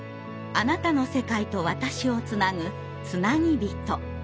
あなたの世界と私をつなぐ「つなぎびと」。